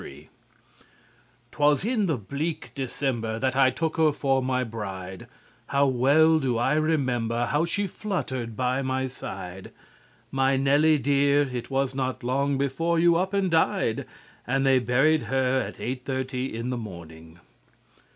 1 "'_Twas in the bleak December that I took her for my bride; How well do I remember how she fluttered by my side; My Nellie dear, it was not long before you up and died, And they buried her at eight thirty in the morning_.